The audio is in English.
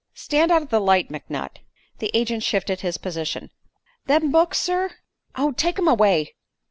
"Stand out of the light, McNutt." The agent shifted his position. "Them books, sir " "Oh, take 'em away."